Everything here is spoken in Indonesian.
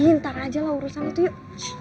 gini tarah aja lah urusan waktu itu yuk